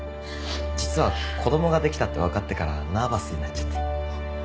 実は子供ができたってわかってからナーバスになっちゃって。